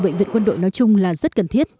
bệnh viện quân đội nói chung là rất cần thiết